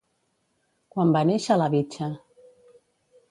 Quan va néixer La Bicha?